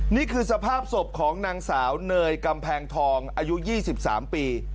นี่คือสภาพศพของนางสาวเนยกำแพงทองอายุ๒๓ปี